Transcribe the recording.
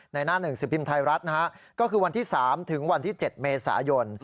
หน้าหนึ่งสิบพิมพ์ไทยรัฐนะฮะก็คือวันที่๓ถึงวันที่๗เมษายน